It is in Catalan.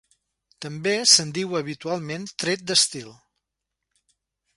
També se'n diu habitualment tret d'estil.